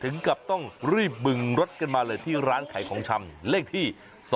ถึงกับต้องรีบบึงรถกันมาเลยที่ร้านขายของชำเลขที่๒๕